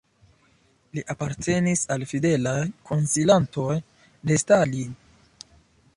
Li apartenis al fidelaj konsilantoj de Stalin.